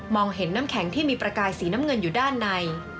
เห็นน้ำแข็งที่มีประกายสีน้ำเงินอยู่ด้านใน